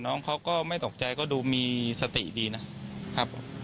น้องเขาก็ไม่ตกใจก็ดูมีสติดีนะครับ